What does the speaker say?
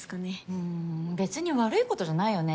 うんべつに悪いことじゃないよね